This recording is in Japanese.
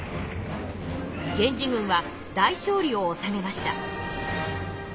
源氏軍は大勝利をおさめました。